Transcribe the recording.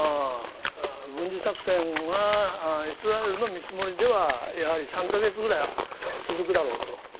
軍事作戦がイスラエルの見積もりではやはり３か月ぐらいは続くだろうと。